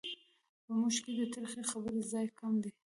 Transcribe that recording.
په موږ کې د ترخې خبرې ځای کم دی.